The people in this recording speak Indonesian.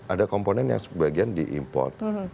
ada komponen yang sebagian diimport